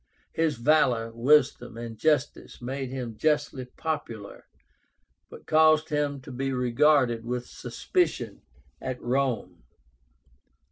His valor, wisdom, and justice made him justly popular, but caused him to be regarded with suspicion at Rome.